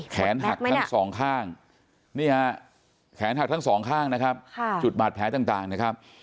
แขนหักทั้งสองข้างนี่ฮะแขนหักทั้งสองข้างนะครับจุดบาดแผลต่างนะครับ